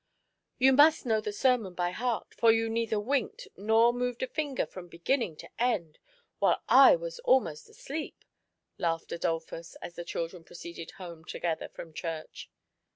You must know the sermon by heart, for you neither winked nor moved a finger from beginning to end, while I was almost asleep!" laughed Adolphus, as the children proceeded home together from church.